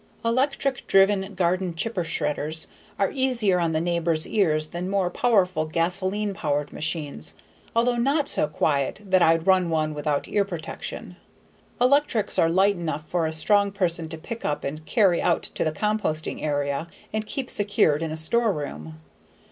Electric driven garden chipper/shredders are easier on the neighbors' ears than more powerful gasoline powered machines, although not so quiet that I'd run one without ear protection. Electrics are light enough for a strong person to pick up and carry out to the composting area and keep secured in a storeroom.